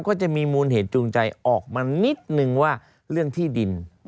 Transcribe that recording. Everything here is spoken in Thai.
ก็จะมีมูลเหตุจูงใจออกมานิดนึงว่าเรื่องที่ดิน